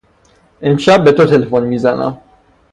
امشب به تو تلفن میزنم.